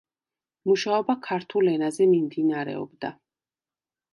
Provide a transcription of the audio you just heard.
მუშაობა ქართულ ენაზე მიმდინარეობდა.